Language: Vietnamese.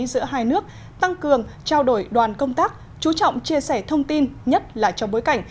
giữa hai nước tăng cường trao đổi đoàn công tác chú trọng chia sẻ thông tin nhất là trong bối cảnh